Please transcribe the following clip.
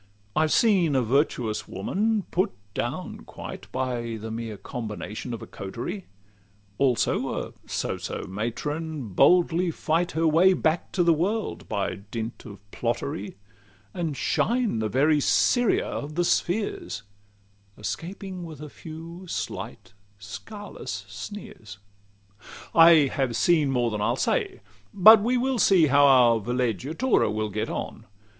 I've seen a virtuous woman put down quite By the mere combination of a coterie; Also a so so matron boldly fight Her way back to the world by dint of plottery, And shine the very Siria of the spheres, Escaping with a few slight, scarless sneers. LXXXIII I have seen more than I'll say: but we will see How our villeggiatura will get on.